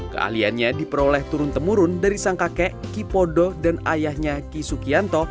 keahliannya diperoleh turun temurun dari sang kakek kipodo dan ayahnya ki sukianto